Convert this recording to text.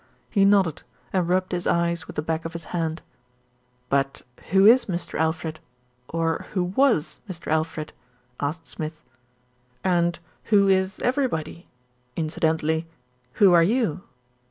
He nodded, and rubbed his eyes with the back of his hand. "But who is Mr. Alfred, or who was Mr. Alfred?" asked Smith, "and who is everybody, incidentally who are you?"